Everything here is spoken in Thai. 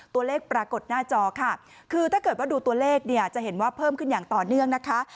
ปรากฏหน้าจอค่ะคือถ้าเกิดว่าดูตัวเลขเนี่ยจะเห็นว่าเพิ่มขึ้นอย่างต่อเนื่องนะคะ